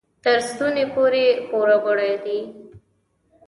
تر ستوني پورې پوروړي دي.